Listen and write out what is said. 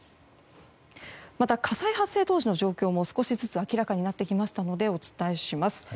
また、火災発生当時の状況も少しずつ明らかになってきましたのでお伝えします。